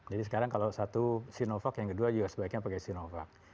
jadi sekarang kalau satu sinovac yang kedua juga sebaiknya pakai sinovac